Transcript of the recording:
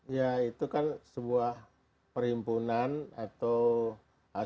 ya itu kan sebuah perhimpunan atau